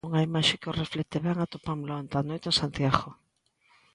Unha imaxe que o reflicte ben atopámola onte á noite en Santiago.